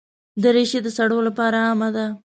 دریشي د سړو لپاره عامه ده.